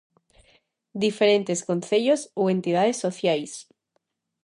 Diferentes concellos ou entidades sociais.